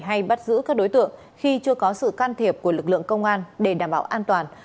hay bắt giữ các đối tượng khi chưa có sự can thiệp của lực lượng công an để đảm bảo an toàn